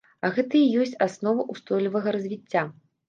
А гэта і ёсць аснова ўстойлівага развіцця!